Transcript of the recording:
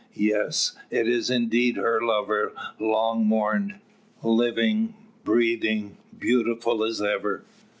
Yes: it is indeed her lover long mourned, living, breathing, beautiful as ever!